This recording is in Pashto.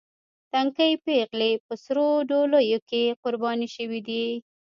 تنکۍ پېغلې په سرو ډولیو کې قرباني شوې دي.